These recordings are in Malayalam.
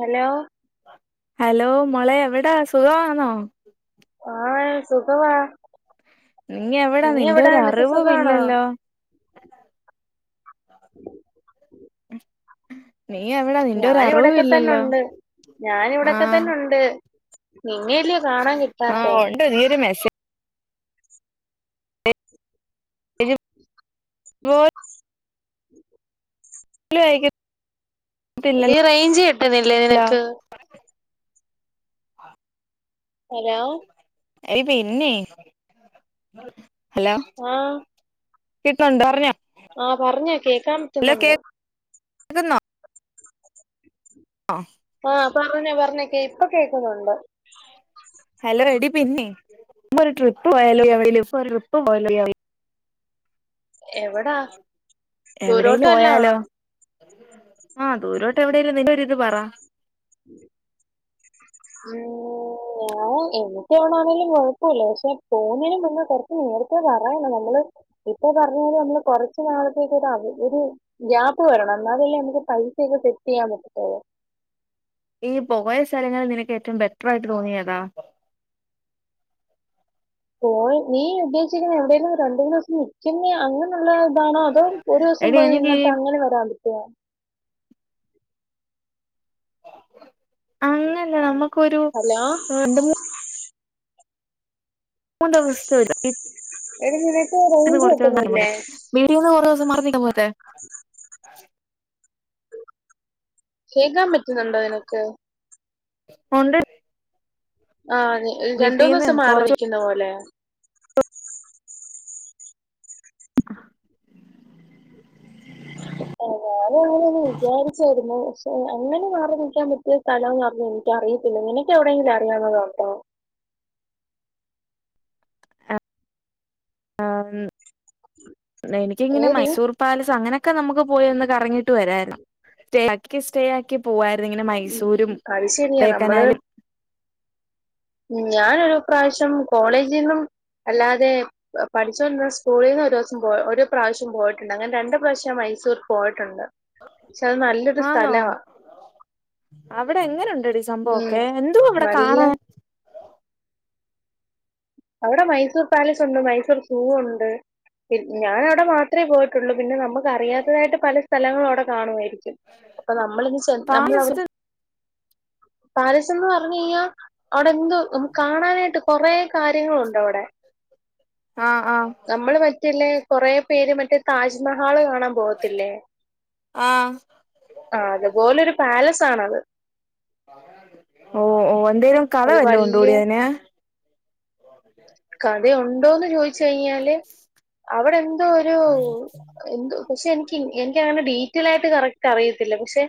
ഹലോ ഹലോ മോളെ എവടാ സുഖവാന്നോ ആഹ് സുഖവാ നീ എവിടാ നീ നിന്റെ എവടാ ഒരു നിനക്ക് അറിവും സുഖവാണോ? ഇല്ലല്ലോ ഉം ഞാനിവിടെക്കെതന്നൊണ്ട് ആഹ് ഞാനിവിടെക്കതന്നൊണ്ട് നിന്നെയല്ലിയോ കാണാൻ കിട്ടാത്തെ? നീയൊരു മെസ്സേജ് ഓൽ ട്ടിലായിക്കും എടീ റേഞ്ച് കിട്ടുന്നില്ലേ നിനക്ക്? ഹലോ എയ് പിന്നേ ഹലോ? ആ കിട്ട്ന്നൊണ്ട് പറഞ്ഞോ ആ പറഞ്ഞോ കേക്കാൻ ഹലോ പറ്റുന്നൊണ്ട് കേൾക്കുന്നോ ആ ആഹ് പറഞ്ഞോ പറഞ്ഞോ കേ ഇപ്പൊ കേക്കുന്നുണ്ട്. ഹലോ എടി പിന്നേ നമുക്കൊരു ട്രിപ്പ് പോയാലോടി എവടേലും ഒരു ട്രിപ്പ് പോയാലോടി എവടേ എവടാ എവടേലും പോയാലോ? ആഹ് ദൂരോട്ടെവടേലും നിൻ്റൊരിത് പറ. [unintelligible] ഓ ആഹ് എനിക്കെവിടാണേലും കൊഴപ്പവില്ല പക്ഷെ പോന്നേനും മുന്നേ കൊറച്ച് നേരത്തേ പറയണം. നമ്മള് ഇപ്പൊ പറഞ്ഞാല് നമ്മള് കൊറച്ച് നാളത്തേക്കൊരവ ഒരു ഗ്യാപ്പ് വരണം. എന്നാലല്ലേ നമുക്ക് പൈസയൊക്കെ സെറ്റ് ചെയ്യാൻ പറ്റത്തൊള്ളൂ. ഈ പോയ സ്ഥലങ്ങളിൽ നിനക്കേറ്റവും ബെറ്ററായിട്ട് തോന്നിയേതാ? പോയി നീ ഉദ്ദേശിക്കുന്ന എവിടെയേും ഒരു രണ്ട് മൂന്ന് ദിവസം നിൽക്കുന്ന അങ്ങനെയുള്ള താണോ അതോ ഒരു ദിവസം എടി പോയി എനിക്ക് നിന്നിട്ട് അങ്ങനെ വരാൻ പറ്റുവാ അങ്ങല്ല നമ്മക്കൊരു ഹലോ രണ്ട് മൂ [unintelligible] എടി നിനക്ക് റേഞ്ച് കിട്ടുന്നില്ലേ? വീട്ടീന്ന് കൊറേദിവസം മാറിനിന്നാ പോരെ കേക്കാൻ പറ്റുന്നുണ്ടോ നിനക്ക്? [unintelligible] ആ അതെ ഒരു വീട്ടീന്ന് രണ്ടൂന്നൂസം കുറച്ച് മാറിനിക്കുന്നപോലെ ഞാനും അങ്ങനെന്ന് വിചാരിച്ചായിരുന്നു പക്ഷെ അങ്ങനെ മാറി നിൽക്കാൻ പറ്റിയ സ്ഥലം ഒന്ന് പറഞ്ഞ എനിക്കറിയത്തില്ല നിനക്ക് എവിടെങ്കിലും അറിയാവുന്നത് ഉണ്ടോ ആം എനിക്കിങ്ങനെ ഏടി? മൈസൂർ പാലസ് അങ്ങനൊക്കെ നമുക്ക് പോയി ഒന്ന് കറങ്ങിട്ട് വെരായിരുന്ന് സ്റ്റേ ആക്കി സ്റ്റേ ആക്കി ക്ക് പോവാരുന്ന് ഇങ്ങനെ ഉം. മൈസൂരും അത് ശരിയാ. നമ്മള് കൊടൈക്കനാലും ഞാനൊരു പ്രാവശ്യം കോളേജിന്നും അല്ലാതെ പഠിച്ചുകൊണ്ടിരുന്ന സ്കൂളിന്ന് ഒരു ദിവസം പോയി ഒരു പ്രാവശ്യം പോയിട്ടുണ്ട് അങ്ങനെ രണ്ട് പ്രാവിശ്യം ഞാൻ മൈസൂർ പോയിട്ടുണ്ട് പക്ഷെ അത് നല്ലൊരു ആന്നോ സ്ഥലവാ അവിടെ എങ്ങനുണ്ടടി ഈ ഉം. സംഭവൊക്കെ എന്തുവാ അവിടെ നല്ല കാണാൻ [inaudible] അവിടെ മൈസൂർ പാലസ് ഉണ്ട് മൈസൂർ സൂ ഉണ്ട് പിൻ ഞാന് അവിടെ മാത്രമേ പോയിട്ട് [unintelligible] നമുക്ക് അറിയാത്തതായിട്ട് പല സ്ഥലങ്ങളും അവിടെ കാണുമായിരിക്കും അപ്പൊ നമ്മളിന്ന് നമ്മൾവിടെ പാലസ് പാലസ് എന്ന് പറഞ്ഞ് കഴിഞ്ഞാ അവിടെ എന്ത് നമുക്ക് കാണാനായിട്ട് കൊറേ കാര്യങ്ങളുണ്ട് അവിടെ ആഹ് ആഹ് നമ്മള് മറ്റല്ലേ കൊറേ പേര് മറ്റേ താജ് മഹാള് കാണാൻ പോവത്തില്ലേ ആഹ് ആഹ് അതുപോലെ ഒരു പാലസ് ആണത് ഓ ഓ എന്തേലും കഥ അത് വെല്ലോം വല്യ ഉണ്ടോടി അതിന് കടയുണ്ടോന്ന് ചോദിച്ച് കഴിഞ്ഞാല് അവിടെ എന്തോ ഒരു എന്തുവാ പക്ഷെ എനിക്ക് എനിക്ക് അങ്ങനെ ഡീറ്റെയിൽ ആയിട്ട് കറക്റ്റ് അറിയത്തില്ല പക്ഷെ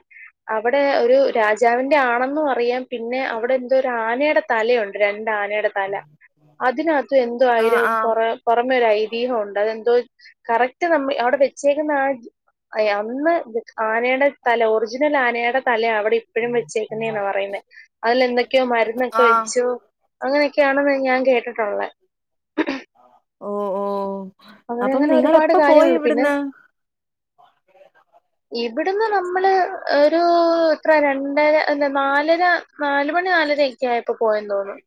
അവിടെ ഒരു രാജാവിന്റെ ആണെന്നും അറിയാം പിന്നെ അവിടെ എന്തോ ഒരു ആനയുടെ തലയുണ്ട് രണ്ട് ആനയുടെ തല അതിനകത്ത് എന്തോ ആഹ് ആയിരം ആഹ് കൊറ പുറമെ ഒരു ഐതീഹം ഉണ്ട് അതെന്തോ കറക്റ്റ് നമ്മള് അവിടെ വെച്ചേക്കുന്ന ആ അയ് അന്ന് ആനയുടെ തല ഒറിജിനൽ ആനയുടെ തല അവിടെ എപ്പഴും വെച്ചേക്കുന്നെന്നാ പറയുന്നത് അതില എന്തൊക്കെയോ മരുന്നൊക്കെ ആഹ് വെച്ചു അങ്ങനെയൊക്കെയാണെന്ന് ഞാൻ കേട്ടിട്ടുള്ള ഓ ഓ അങ്ങനെ അപ്പം അങ്ങനെ നിങ്ങൾ ഒരുപാട് എപ്പോ പോയി കാര്യങ്ങളുണ്ട് പിന്നെ ഇവിടുന്ന് [inaudible] ഇവിടുന്ന് നമ്മള് ഒരു ഇത്ര രണ്ടര എന്താ നാലര നാലുമണി നാലര ഒക്കെ ആയപ്പോ പോയെന്ന് തോന്നും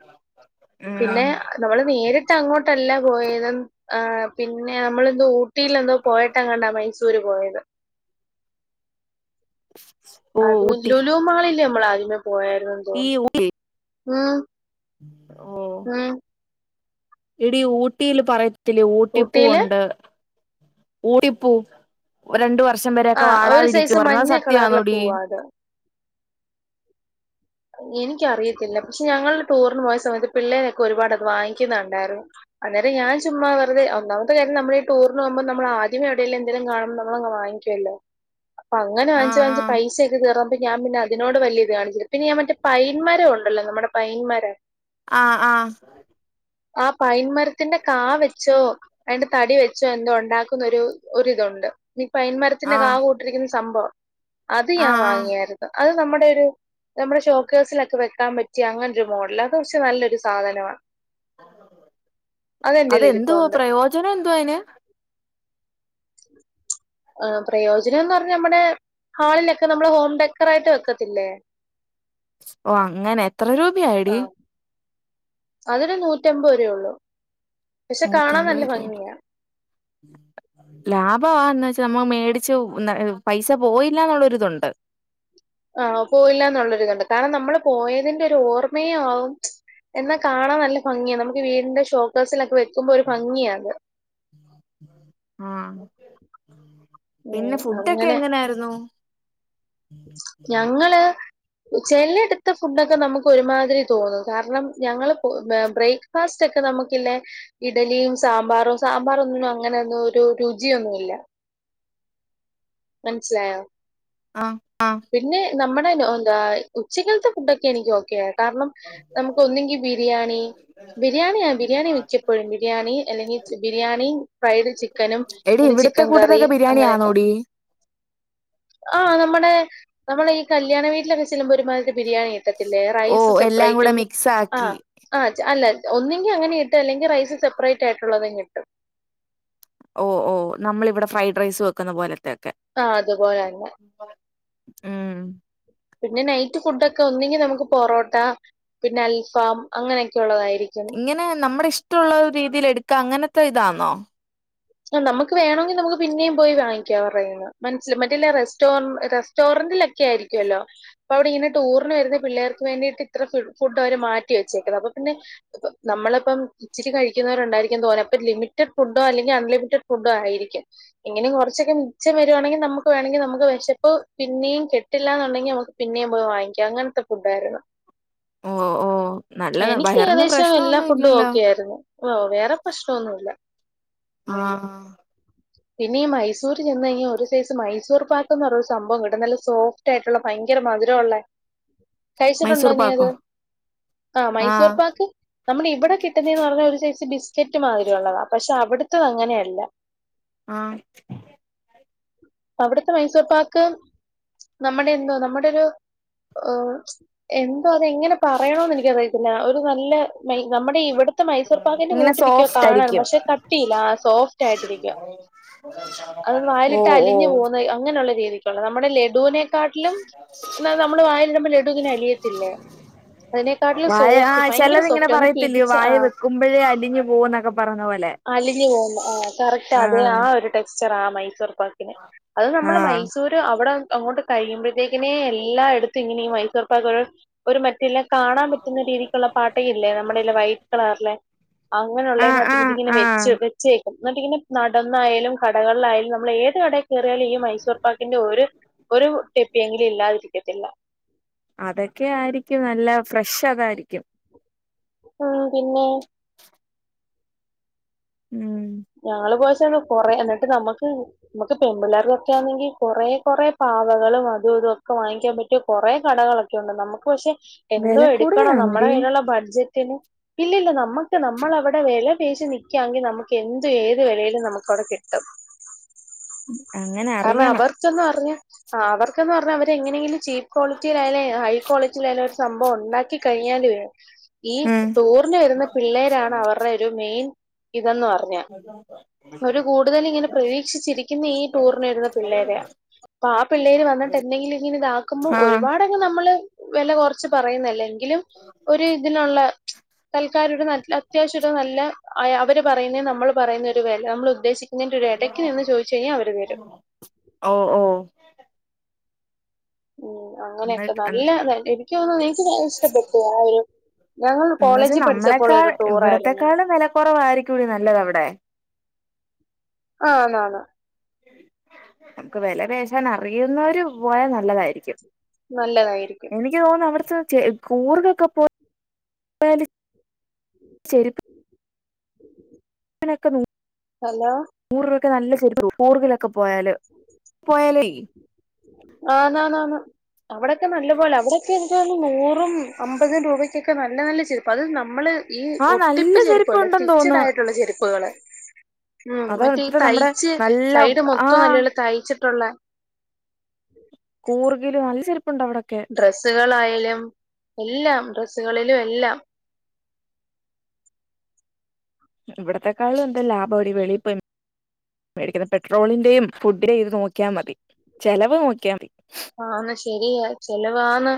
ഉം പിന്നെ നമ്മള് നേരിട്ട് അങ്ങോട്ടല്ല പോയതും ആ പിന്നെ നമ്മളെന്തോ ഊട്ടില് എന്തോ പോയിട്ടെങ്ങണ്ടാ മൈസൂര് പോയത് ഓ അത് ഊട്ടി ലുലൂ മാളില്ലേ നമ്മള് ആദ്യമേ പോയായിരുന്നെന്ന് ഈ തോന്നുന്നു ഊ [unintelligible] ഉം ഓ ഉം എടി ഊട്ടിയില് പറയത്തില്ലേ ഊട്ടിയില് ഊട്ടിപ്പൂവുണ്ട് ഊട്ടിപ്പൂ രണ്ടു വർഷം ആ വരെയൊക്കെ ഒരു വാടാതിരിക്കും സൈസ് പറഞ്ഞാൽ മഞ്ഞ കളറിലെ സത്യമാന്നോടി പൂവാ അത് എനിക്കറിയത്തില്ല പക്ഷെ ഞങ്ങളുടെ ടൂറിന് പോയ സമയത്ത് പിള്ളേരൊക്കെ ഒരുപാട് അത് വാങ്ങിക്കുന്ന കണ്ടായിരുന്ന് അന്നേരം ഞാൻ ചുമ്മാ വെറുതെ ഒന്നാമത്തെ കാര്യം നമ്മൾ ഈ ടൂറിന് പോവുമ്പൾ നമ്മൾ ആദ്യം എവിടേലും എന്തേലും കാണുമ്പോ നമ്മളങ്ങ് വാങ്ങിക്കും [unintelligible] [inaudible] അങ്ങനെ വാങ്ങിച്ച് വാങ്ങിച്ച് ആഹ് പൈസ ഒക്കെ തീർന്നപ്പോ പ്പിന്നെ ഞാൻ പിന്നെ അതിനോട് വലിയ ഇത് കാണിച്ചി പിന്നെ ഞാൻ മറ്റേ പൈൻമരം ഉണ്ടല്ലോ നമ്മുടെ പൈൻമരം ആഹ് ആഹ് ആ പൈൻ മരത്തിന്റെ കാ വെച്ചോ അയിന്റെ തടി വെച്ചോ എന്തോ ണ്ടാക്കുന്നൊരു ഒരിതുണ്ട് പൈന്മരത്തിന്റെ കാ ആഹ് കൂ [unintelligible] സംഭവം അത് ഞാൻ ആഹ് ആഹ് വാങ്ങിയായിരുന്നു അത് നമ്മുടെ ഒരു നമ്മുടെ ഷോക്ക് കേഴ്സിലൊക്കെ വെക്കാൻ പറ്റിയാ അങ്ങനൊരു മോഡല് അത് പക്ഷെ നല്ലൊരു സാധനമാ എൻ്റെ കയ്യിൽ അതെന്തു ഇരിപ്പുണ്ട് പ്രയോജനം എന്തു അയിന് ആ പ്രയോജന്ന് പറഞ്ഞ നമ്മുടെ ഹാളിലൊക്കെ നമ്മള് ഹോം ഡെക്കറായിട്ട് വെക്കത്തില്ലേ ഓ അങ്ങനെ എത്ര ആ രൂപയായെടി അതൊരു നൂറ്റിയമ്പത് രൂപ ഉള്ളൂ പക്ഷെ കാണാൻ നല്ല ഭംഗിയാണ് ലാഭവാ എന്ന വെച്ചാ നമ്മ മേടിച്ചു ന്ന പൈസ പോയില്ല എന്നൊരുത്ണ്ട് ആ പോയില്ല എന്നുള്ളരിതുണ്ട് കാരണം നമ്മള് പോയതിന്റെ ഒരു ഓർമ്മയും ആവും എന്നാ കാണാൻ നല്ല ഭംഗിയാണ് നമുക്ക് വീടിന്റെ ഷോക്കെയ്സിൽ ഒക്കെ വെക്കുമ്പോ ഒരു ഭംഗിയാ അത് ആ പിന്നെ ഉം ഫുഡൊക്കെ അങ്ങനെ എങ്ങനെയായിരുന്നു ഞങ്ങള് ചെല്ലെട്ത്ത് ഫുഡൊക്കെ നമുക്ക് ഒരുമാതിരി തോന്നും കാരണം ഞങ്ങള് പോ ബ്രേക്ക് ഫസ്റ്റ് ഒക്കെ നമുക്കില്ലേ ഇഡലിയും സാമ്പാറും സാമ്പാറൊന്നും അങ്ങനൊന്നും ഒരു രുചിയൊന്നുല്ല [inaudible] മനസ്സിലായോ? അ അ പിന്നെ നമ്മുടെ എന്താ ഉച്ചകത്തെ ഫുഡൊക്കെ എനിക്ക് ഓക്കെ കാരണം നമുക്ക് ഒന്നെങ്കി ബിരിയാണി ബിരിയാണിയ ആ ബിരിയാണി മിക്കപ്പോഴും ബിരിയാണി അല്ലെങ്കിൽ ബിരിയാണി ഫ്രൈഡ് ചിക്കനും എടി പിന്നെ ഇവിടത്തെ ചിക്കൻ കറി കൂട്ടത്തൊക്കെ അങ്ങനെയൊക്കെ ബിരിയാണിയാന്നോടി ആ നമ്മുടെ നമ്മള ഈ കല്യാണ വീട്ടിലൊക്കെ ചെല്ലുമ്പോൾ ഒരുമാതിരി ബിരിയാണി കിട്ടത്തില്ലേ ഓ റൈസ് എല്ലാം കൂടെ സെപ്പറേറ്റും മിക്സ് ആ ആക്കി ആ അല്ല ഒന്നെങ്കിൽ അങ്ങനെ ഇട്ടും അല്ലെങ്കിൽ റൈസ് സെപ്പറേറ്റ് ആയിട്ടുള്ളതെ കിട്ടും ഓ ഓ നമ്മള ഇവിടെ ഫ്രൈഡ് റൈസ് വെക്കുന്ന പോലത്തെ ഒക്കെ ആഹ് അതുപോലെന്നെ ഉം പിന്നെ നൈറ്റ് ഫുഡ് ഒക്കെ ഒന്നെങ്കി നമക്ക് പൊറോട്ട പിന്നെ അൽഫാം അങ്ങനെയൊക്കെ ഉള്ളതായിരിക്കും ഇങ്ങനെ നമ്മടെ ഇഷ്ടള്ള രീതിൽ എടുക്കാ അങ്ങൻത്തെ ഇതാന്നോ? നമക്ക് വേണമെങ്കി നമുക്ക് പിന്നേം പോയി വാങ്ങിക്കാം അവര്ടെ കൈയ്യിന് മനസ്സ മറ്റ് റെസ്റ്റോറ റെസ് റസ്റ്റോറണ്ടിലൊക്കെ ആയിരിക്കുമല്ലോ അപ്പ അവിടെ ഇങ്ങന ടൂറി വരുന്ന പിള്ളേർക്ക് വേണ്ടിട്ട് ഇത്ര ഫുഡ് അവർ മാറ്റി ച്ചേക്കുന്ന അപ്പൊ പിന്നെ നമ്മളിപ്പം ഇച്ചിരി കഴിക്കുന്നവരുണ്ടായിരിക്കും തോന്നെ അപ്പ ലിമിറ്റഡ് ഫുഡോ അല്ലെങ്ക ഫുഡ് ആയിരിക്കും എങ്ങനെ കുറച്ചൊക്കെ മിച്ചം വരുവാണെങ്കിൽ നമുക്ക് വേണമെങ്കിൽ നമുക്ക് വിശപ്പ് പിന്നെയും കിട്ടും പ [unintelligible] എന്നുണ്ടെങ്കിൽ നമുക്ക് പിന്നെയും പോയി വാങ്ങിക്കാം അങ്ങനത്തെ ഫുഡ് ആയിരുന്നു ഓ ഓ നല്ലതാ എനിക്ക് വയറിന് ഏകദേശം എല്ലാ പ്രശ്നമൊന്നും ഫുഡും ഇല്ലല്ലോ ഓക്കെയായിരുന്നു ഓ വേറെ പ്രശ്നമൊന്നുമില്ല ആഹ പിന്നെ ഈ മൈസൂര് ചെന്ന് കഴിഞ്ഞാൽ ഒരു സൈസ് മൈസൂർ പാക്ക്ന്ന് പറഞ്ഞ സംഭവം കിട്ടും നല്ല സോഫ് റ്റായിട്ടുള്ള ഭയങ്കര മധുരള്ളേ കഴിച്ചിട്ടുണ്ടോ മൈസൂർ നീ അത് പാക്കോ ആ മൈസൂർ ആഹ് പാക്ക് നമ്മൾ ഇവിടെ കിട്ടുന്നതെന്ന് പറഞ്ഞ ഒരു സൈസ് ബിസ്ക്കറ്റ് മാതിരി ഉള്ളതാ പക്ഷെ അവിടുത്തത് അങ്ങനെയല്ല ആ അവിടുത്തെ മൈസൂർ പാക്ക് നമ്മടെ എന്തോ നമ്മുടെ ഒരു എന്തോ അതെങ്ങനെ പറയണോന്ന് എനിക്കറിയത്തില്ല ഒരു നല്ല നമ്മടെ ഇവിടെ ഇപ്പത്തെ മൈസൂർ പാക്കിൻ്റെ ഇങ്ങനെ കൂട്ടിരിക്കയോ സോഫ്റ്റ് കാണാൻ ആയിരിക്കും പക്ഷെ കട്ടിയില്ല സോഫ്റ്റ് ആയിട്ടിരിക്കുവ ഒ [inaudible] അത് വായിലിട്ടാ അലിഞ്ഞു പോകുന്ന അങ്ങനെയുള്ള രീതിക്കുള്ള നമ്മുടെ ലഡുവിനെ കാട്ടിലും നമ്മള് വായലിടുമ്പോ ലഡു ഇങ്ങനെ അലിയത്തില്ലേ അതിനെക്കാട്ടിലും വായ ആ സോഫ്റ്റ് ഭയങ്കര ചിലത് ഇങ്ങനെ സോഫ്റ്റ് ഒന്ന് പറയത്തില്ലേ പിടിച്ച് ആ വായേ വെക്കുമ്പോഴേ അലിഞ്ഞു പോകും എന്നൊക്കെ പറഞ്ഞ പോലെ അലിഞ്ഞു പോകും ആഹ് കറക് അതേ ആഹ് ആ ഒരു ടെക്സ്ചർ ആ മൈസൂർ പാക്കിന് അത് നമ്മ ആഹ് മൈസൂർ അവിടെ അങ്ങോട്ട് കഴിയുമ്പോഴത്തേക്കിനെ എല്ലാ എടുത്തും ഇങ്ങനെഈ മൈസൂർ പാക്ക് ഒരു ഒരു മറ്റല്ല കാണാൻ പറ്റുന്ന രീതിക്കുള്ള പാട്ട ഇല്ലേ നമ്മുടെ വൈറ്റ് കളറില്െ ആഹ് അങ്ങനെയുള്ളതിനകത്ത് ആഹ് ഇതിങ്ങനെ വെച്ച ആഹ് വെച്ചേക്കും എന്നിട്ട് ഇങ്ങനെ നടന്നായാലും കടകളിലായാലും നമ്മൾ ഏത് കടയിൽ കയറിയാലും ഈ മൈസൂർ പാക്കിന്റെ ഒരു ഒരു ടെപ്പിയെങ്കിലും ഇല്ലാതിരിക്കത്തില്ല അതൊക്കെ ആയിരിക്കും നല്ല ഫ്രഷ് അതായിരിക്കും ഉ പിന്നെ ഉം ഞാള് പോച്ച കൊറെ എന്നിട്ട് നമ്മക്ക് നമുക്ക് പെൺമ്പുലേർ തൊക്കെ ആണെങ്കിൽ കുറ കുറെ പാവകളും അതും ഇതും ഒക്കെ വാങ്ങിക്കാൻ പറ്റും മറ്റ കുറെേ കടകളൊക്കെ ഉണ്ട് നമുക്ക് പക്ഷെ എന്തോ വില എടുക്കണം നമ്മുടെ കൂടുതലാണോടി കയ്യിലുള്ള ബഡ്ജറ്റ് ഇല്ലല്ല നമ്മുക്ക് നമ്മൾവിടെ വില പേശി നിക്കയാെങ്കി നമുക്ക് എന്ത് ഏത് നിലൽ നമുക്കവിടെ കിട്ടും അങ്ങനെ കാരണം അറിയണം അവർ അവർക്കന്ന് പറഞ്ഞ അവര് എങ്ങനെങ്കിലും ചീപ്പ് ക്വാളിറ്റിയിലായാല ഹ കോളേജിൽ ആയാലും ഒരു സംഭവം ഉണ്ടാക്കി കഴിഞ്ഞാല് ഈ ഉം ടൂറിന് വരുന്ന പിള്ളേരാണ് അവരുടെ ഒരു മെയിൻ ഇതെന്ന് പറഞ്ഞു [unintelligible] അവര് കൂടുതൽ ഇങ്ങനെ പ്രതീക്ഷിച്ചിരിക്കുന്ന ഈ ടൂറിന് വരുന്നന്ന പിള്ളേര അപ്പ ആ പിള്ളേര് വന്നിട്ട്ന്തെങ്കില ഇങ്ങനെ ഇതാക്കുമ്പോ ആഹ് ഒരുപാട് നമ്മള് വില കുറച്ച് പറയുന്നല്ലേ ഒരു ഇതിനുള്ള തൽക്കാലഒരു നട്ട അത്യാവശ്യ നല്ല അവര് പറയുന്ന നമ്മൾ പറയുന്ന ഒരു വില നമ്മൾ ഉദ്ദേശിക്ക ഓ ഓ ഉം അങ്ങനെയൊക്കെ എന്നിട്ട് നല്ല എനിക്ക് തോന്ന എനിക്ക് ഇഷ്ടപ്പെട്ടു ആ ഒരു ഞങ്ങൾ എന്ന് വെച്ചാ കോളേജിൽ പഠിച്ചപ്പോൾ ഒരു ടൂർ ആയിരുന്നു കുറവായിരിക്കുംകൂടി നല്ലത് അവിടെ ആ ന്നാന്ന് നമുക്ക് വിലപേഷൻ അറിയുന്നവര് പോയാ നല്ലതായിരിക്കും നല്ലതായിരിക്കും എക്ക് തോന്ന അവിടു കൂറൊക്കെ പോ ക്കെുന്നുോ [unintelligible] ഹലോ നൂറ്ൂപൊക്കെ നല്ല ചെരുപ്പ് കൂറുകിലൊക്കെ പോയാല് പോയാലേ ആ ന്നാ ന്നാണ് അവിടെൊക്കെ നല്ലപോലെ അവിടെൊക്കെ എന്താണ് നൂറും അമ്പതും രൂപയ്ക്കൊക്കെ നല്ല നല്ല ചെരുപ്പാ അത് നമ്മള് ഈ ആ നല്ല ഒട്ടിപ്പ് ചെരുപ്പ ചെരുപ്പ് അല്ലെ ഉണ്ടെന്ന് സ്‌റ്റിച്ചഡ് തോന്നുന്നു ആയിട്ടുള്ള ചെരുപ്പുകള് ഉം അതാ മറ്റേ ഇത്ര നമ്മുടെ ഈതയ്ച്ച് നല്ല സൈഡ് ആ മൊത്തം നല്ലല്ല തയ്ച്ചിട്ടുള്ള കൂർ ഗില് നല്ല ചെപ്പുണ്ടണ്ട് അവിടൊക്കെ ഡ്രസ്സുകളായാലും എല്ലാം ഡ്രസ്സുകളിലും എല്ലാം ഇവിടത്തെക്കാളും എന്താ ലാഭം അടി വളി ഇ മേടിക്കുന്ന പെട്രോളിന്റെയും ഫുഡിന്റെ ഇത് നോക്കിയൽ മതി ചെലവ് നോക്കിയാൽ മതി ആശരിയ ചെലവാാണ്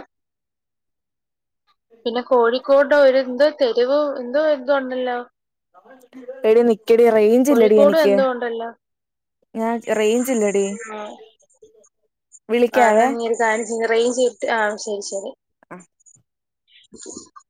പിന്നെ കോഴിക്കോട് ഒരുന്തോ തെരുവ് എന്തോ എന്ത ഉണ്ടല്ലോ എടി നിക്കടി റേഞ്ച് ഇല്ലടി കോഴിക്കോട് എനിക്ക് എന്തോ ഉണ്ടല്ലോ ഞാൻ റേഞ്ചില്ലടി ആ വിളിക്കാവേ ആഹ് റേഞ്ച് ചെയ്ട്ട് ആഹ് ശരി ശരി അ